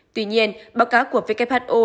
tuy nhiên báo cáo của who